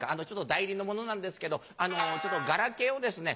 「代理の者なんですけどちょっとガラケーをですね